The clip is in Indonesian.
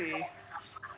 ya terima kasih